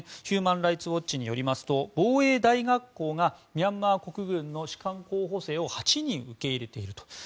ヒューマン・ライツ・ウォッチによりますと防衛大学校がミャンマー国軍の士官候補生を８人受け入れていると。